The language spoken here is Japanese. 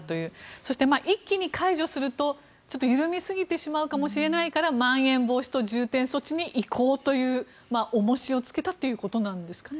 そして、一気に解除すると緩みすぎてしまうかもしれないからまん延防止等重点措置に移行という重しをつけたということなんですね。